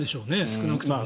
少なくとも。